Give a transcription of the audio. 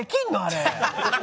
あれ。